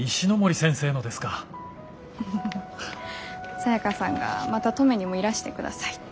サヤカさんがまた登米にもいらしてくださいって。